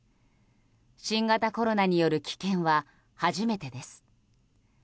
新型コロナによる棄権は初めてです。